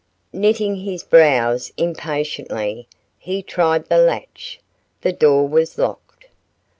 Knitting his brows impatiently, he tried the latch: the door was locked.